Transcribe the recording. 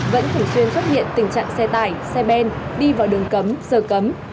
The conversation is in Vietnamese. vẫn thường xuyên xuất hiện tình trạng xe tải xe bên đi vào đường cấm sở cấm